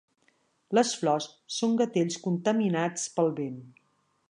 Les flors són gatells contaminats pel vent.